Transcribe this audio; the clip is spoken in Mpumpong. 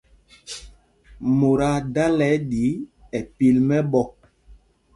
Mot aa dala ɗí ɛ́ pil mɛ̄ɓɔ̄.